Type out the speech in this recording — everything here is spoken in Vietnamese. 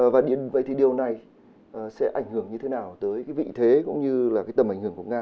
và vậy thì điều này sẽ ảnh hưởng như thế nào tới cái vị thế cũng như là cái tầm ảnh hưởng của nga